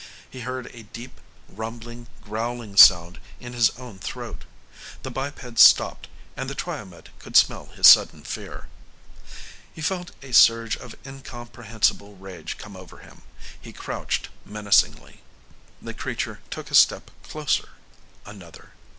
He heard a deep, rumbling growling sound in his own throat. The biped stopped, and the Triomed could smell his sudden fear. He felt a surge of incomprehensible rage come over him he crouched menacingly. The creature took a step closer. Another.